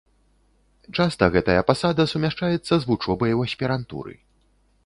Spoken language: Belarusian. Часта гэтая пасада сумяшчаецца з вучобай у аспірантуры.